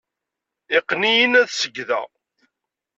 Iqqen-i-nn ad segdeɣ.